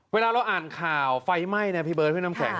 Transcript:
เวลาเราอ่านข่าวไฟไหม้นะพี่เบิร์ดพี่น้ำแข็ง